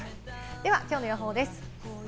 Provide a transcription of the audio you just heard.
では今日の予報です。